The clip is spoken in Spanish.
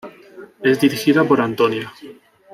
Es dirigida por Antonia.